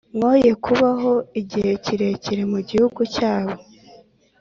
mwoye kubaho igihe kirekire mu gihugu cyabo